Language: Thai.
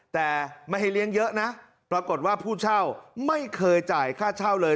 แต่ไม่ให้เลี้ยงเยอะนะปรากฏว่าผู้เช่าไม่เคยจ่ายค่าเช่าเลย